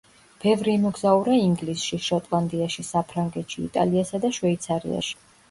ბევრი იმოგზაურა ინგლისში, შოტლანდიაში, საფრანგეთში, იტალიასა და შვეიცარიაში.